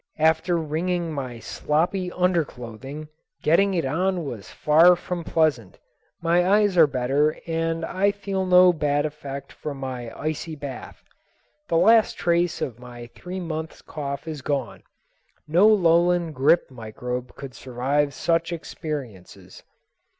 After wringing my sloppy underclothing, getting it on was far from pleasant. My eyes are better and I feel no bad effect from my icy bath. The last trace of my three months' cough is gone. No lowland grippe microbe could survive such experiences.